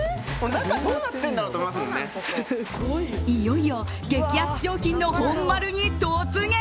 いよいよ激安商品の本丸に突撃。